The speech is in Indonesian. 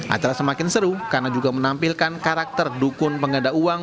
acara semakin seru karena juga menampilkan karakter dukun pengganda uang